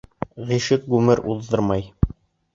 Ғишыҡ ғүмер уҙҙырмай.